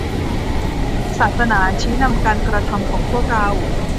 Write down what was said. ศาสนาชี้นำการกระทำของพวกเรา